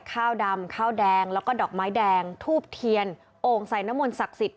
ข้าวดำข้าวแดงแล้วก็ดอกไม้แดงทูบเทียนโอ่งใส่นมลศักดิ์สิทธิ